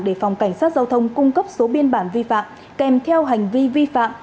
để phòng cảnh sát giao thông cung cấp số biên bản vi phạm kèm theo hành vi vi phạm